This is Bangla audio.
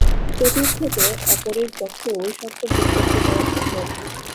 চতুর্থত অপরের পক্ষেও ঐ সত্য প্রত্যক্ষ করা সম্ভব।